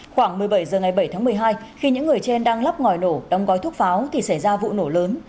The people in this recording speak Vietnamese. khoảng một mươi bảy h ngày bảy tháng một mươi hai khi những người trên đang lắp ngòi nổ đóng gói thuốc pháo thì xảy ra vụ nổ lớn